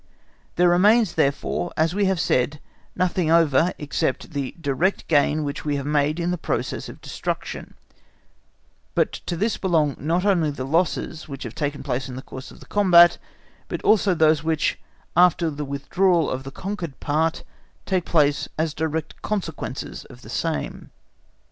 There remains, therefore, as we have said, nothing over except the direct gain which we have made in the process of destruction; but to this belong not only the losses which have taken place in the course of the combat, but also those which, after the withdrawal of the conquered part, take place as direct consequences of the same.